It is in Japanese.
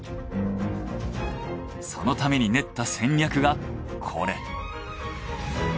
そのために練った戦略がこれ。